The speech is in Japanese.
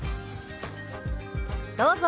どうぞ。